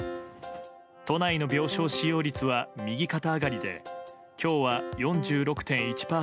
都内の病床使用率は右肩上がりで今日は４６．１％。